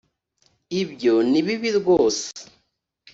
ibyo ni bibi rwose.